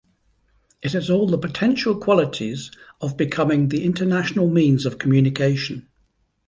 It has all the potential qualities of becoming the international means of communication.